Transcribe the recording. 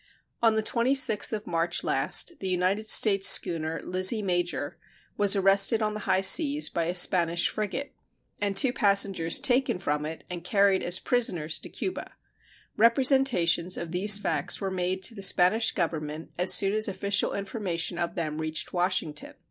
On the 26th of March last the United States schooner Lizzie Major was arrested on the high seas by a Spanish frigate, and two passengers taken from it and carried as prisoners to Cuba. Representations of these facts were made to the Spanish Government as soon as official information of them reached Washington.